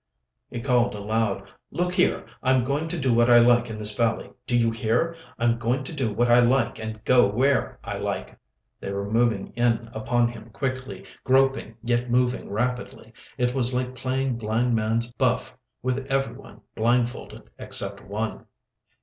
He called aloud, "Look here, I'm going to do what I like in this valley! Do you hear? I'm going to do what I like and go where I like." They were moving in upon him quickly, groping, yet moving rapidly. It was like playing blind man's buff with everyone blindfolded except one.